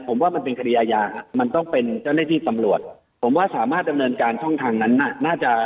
ผมว่ามันเป็นคณียามันต้องเป็นแนะนีธีสำรวจ